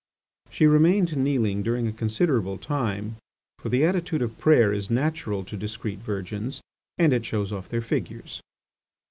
She remained kneeling during a considerable time, for the attitude of prayer is natural to discreet virgins and it shows off their figures.